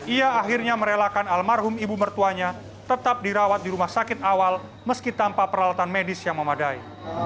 ia akhirnya merelakan almarhum ibu mertuanya tetap dirawat di rumah sakit awal meski tanpa peralatan medis yang memadai